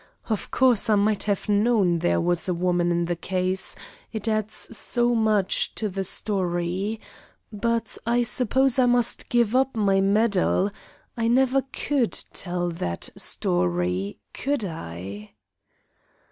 Of course I might have known there was a woman in the case, it adds so much to the story. But I suppose I must give up my medal. I never could tell that story, could I?"